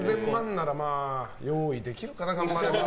ならまあ用意できるかな、頑張れば。